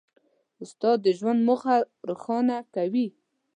استاد د ژوند موخه روښانه کوي.